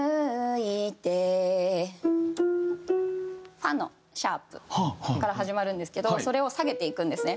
ファのシャープから始まるんですけどそれを下げていくんですね。